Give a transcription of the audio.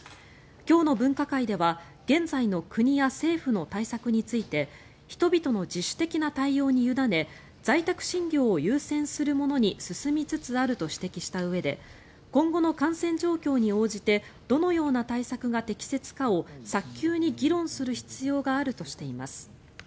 今日の分科会では現在の国や政府の対策について人々の自主的な対応に委ね在宅診療を優先するものに進みつつあると指摘したうえで今後の感染状況に応じてどのような対策が適切かを早急に議論する必要があるとしています。